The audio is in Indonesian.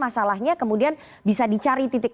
masalahnya kemudian bisa dicari titik